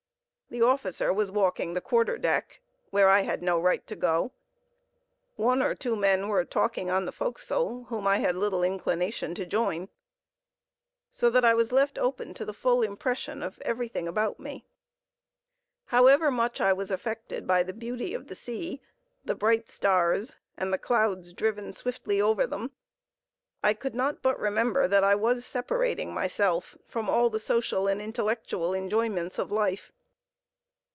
The officer was walking the quarter deck, where I had no right to go, one or two men were talking on the forecastle, whom I had little inclination to join, so that I was left open to the full impression of everything about me. However much I was affected by the beauty of the sea, the bright stars, and the clouds driven swiftly over them, I could not but remember that I was separating myself from all the social and intellectual enjoyments of life.